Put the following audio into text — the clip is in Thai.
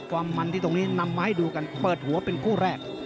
ความมันที่ตรงนี้นำมาให้ดูกันเปิดหัวเป็นคู่แรก